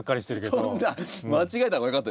そんな。